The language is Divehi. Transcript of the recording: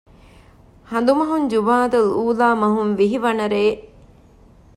ހަނދުމަހުން ޖުމާދަލްއޫލާ މަހުން ވިހި ވަނަ ރޭ